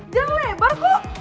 jangan lebar kok